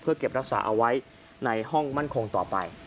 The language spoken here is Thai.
เก็บรักษาเอาไว้ในห้องมั่นคงต่อไป